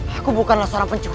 aku bukanlah seorang pencuri